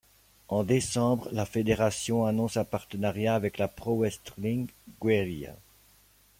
En décembre, la fédération annonce un partenariat avec la Pro Wrestling Guerrilla.